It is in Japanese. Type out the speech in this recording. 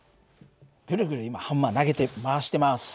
ぐるぐる今ハンマー回してます。